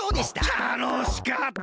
たのしかった！